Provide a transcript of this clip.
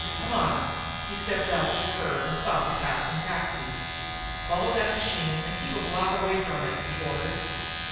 Come on!" He stepped out to the curb and stopped a passing taxi. "Follow that machine and keep a block away from it," he ordered.